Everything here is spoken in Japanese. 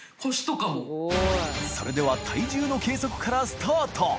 磴修譴任体重の計測からスタート磴